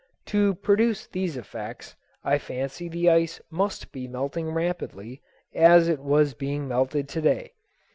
To produce these effects I fancy the ice must be melting rapidly, as it was being melted to day.